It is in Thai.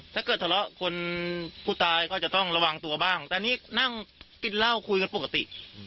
ถ้าเกิดทะเลาะคนผู้ตายก็จะต้องระวังตัวบ้างแต่นี่นั่งกินเหล้าคุยกันปกติ